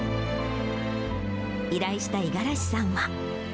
依頼した五十嵐さんは。